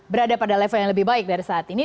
berada pada level yang lebih baik dari saat ini